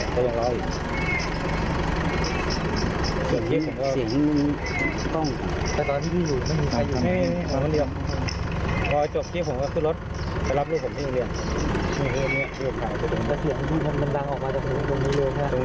ตรงนี้เลย